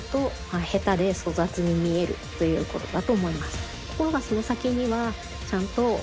ということだと思います。